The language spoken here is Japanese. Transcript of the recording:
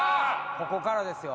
ここからですよ。